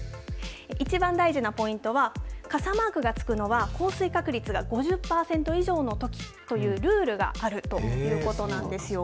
一番大事なポイントは、傘マークがつくのは、降水確率が５０％以上のときというルールがあるということなんですよ。